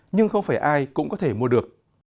nhưng không phải ai cũng có thể mua được